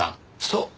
そう！